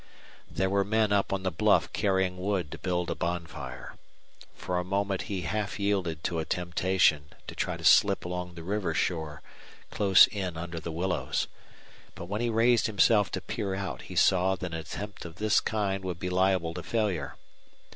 There were men up on the bluff carrying wood to build a bonfire. For a moment he half yielded to a temptation to try to slip along the river shore, close in under the willows. But when he raised himself to peer out he saw that an attempt of this kind would be liable to failure.